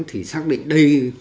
thì xác định đây